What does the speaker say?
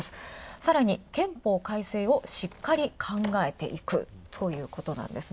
さらに憲法改正をしっかり考えていくということなんですね。